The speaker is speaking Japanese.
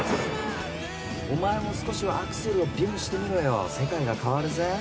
お前も少しはアクセルをビュンしてみろよ世界が変わるぜ。